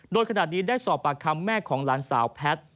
โดยขณะนี้ได้สอบปากคำแม่ของหลานสาวแพทย์